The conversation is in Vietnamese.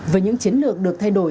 với những chiến lược được thay đổi